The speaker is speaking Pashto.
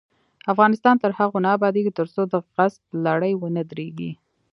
افغانستان تر هغو نه ابادیږي، ترڅو د غصب لړۍ ونه دریږي.